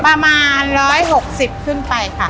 ประมาณ๑๖๐ขึ้นไปค่ะ